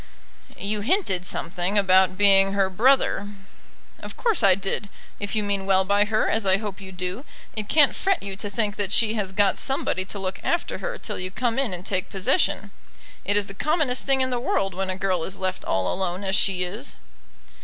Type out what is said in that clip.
"You hinted something about being her brother." "Of course I did. If you mean well by her, as I hope you do, it can't fret you to think that she has got somebody to look after her till you come in and take possession. It is the commonest thing in the world when a girl is left all alone as she is."